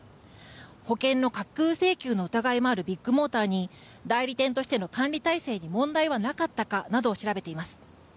保険の架空請求の疑いもあるビッグモーターに代理店としての管理体制に問題はなかったかなどを調べています。